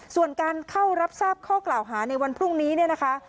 ส่วนการเข้ารับทราบข้อกล่าวหาในวันพรุ่งนี้เนี่ยนะคะ